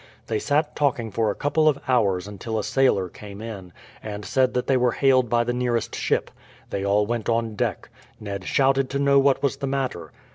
They sat talking for a couple of hours until a sailor came in, and said that they were hailed by the nearest ship. They all went on deck. Ned shouted to know what was the matter.